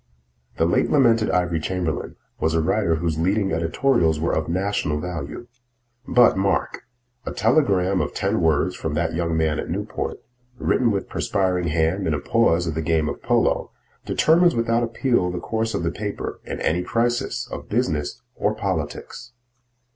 The late lamented Ivory Chamberlain was a writer whose leading editorials were of national value. But, mark: a telegram of ten words from that young man at Newport, written with perspiring hand in a pause of the game of polo, determines without appeal the course of the paper in any crisis of business or politics.